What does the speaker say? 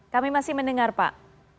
kami masih mendengar pak